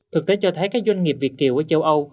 thực tế cho thấy các doanh nghiệp việt kiều ở châu âu